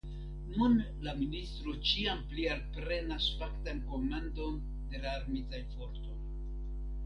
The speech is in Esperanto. Nun la ministro ĉiam pli alprenas faktan komandon de la armitaj fortoj.